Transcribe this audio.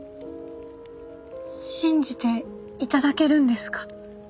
信じて頂けるんですか？